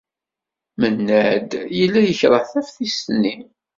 Mennad yella yekṛeh taftist-nni.